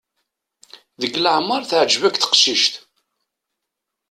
Deg leɛmer teɛǧeb-ak teqcict?